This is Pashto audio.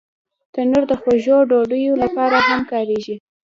تنور د خوږو ډوډیو لپاره هم کارېږي